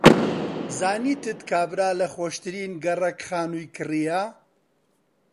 زانیتت کابرا لە خۆشترین گەڕەک خانووی کڕییە.